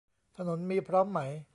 ถนนมีพร้อมไหม